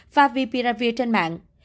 favipiravir trên mạng